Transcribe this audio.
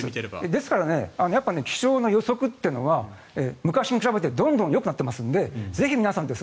ですから気象の予測っていうのは昔に比べてどんどんよくなっていますのでぜひ皆さん